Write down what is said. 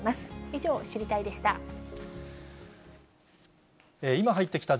以上、知りたいッ！でした。